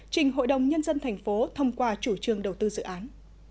trình hội đồng nhân dân thành phố thông qua chủ trương đầu tư dự án